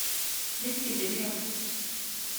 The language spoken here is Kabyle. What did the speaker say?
Nekk briɣ.